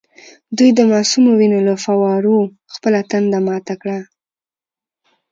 دوی د معصومو وینو له فووارو خپله تنده ماته کړه.